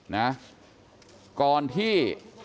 นะก่อนที่